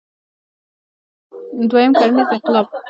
دوهیم کرنیز انقلاب نږدې دولسزره کاله وړاندې رامنځ ته شو.